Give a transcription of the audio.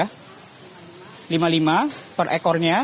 rp lima puluh lima per ekornya